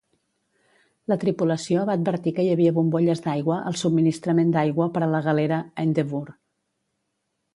La tripulació va advertir que hi havia bombolles d'aigua al subministrament d'aigua per a la galera "Endeavour".